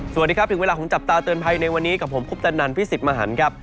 สวัสดีครับถึงเวลาของจับตาเตือนภัยในวันนี้กับผมคุปตนันพี่สิทธิ์มหันครับ